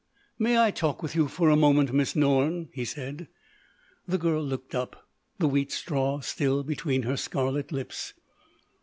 "May I talk with you for a moment, Miss Norne?" he said. The girl looked up, the wheat straw still between her scarlet lips.